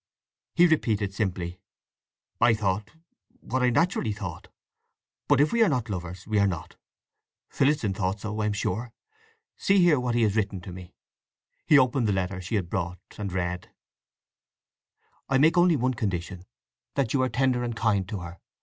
He repeated simply! "I thought—what I naturally thought. But if we are not lovers, we are not. Phillotson thought so, I am sure. See, here is what he has written to me." He opened the letter she had brought, and read: "I make only one condition—that you are tender and kind to her.